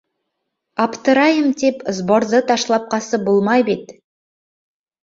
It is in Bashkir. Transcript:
Аптырайым тип, сборҙы ташлап ҡасып булмай бит...